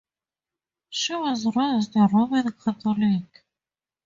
She was raised Roman Catholic.